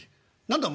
何だ？